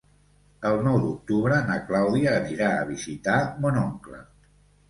El nou d'octubre na Clàudia anirà a visitar mon oncle.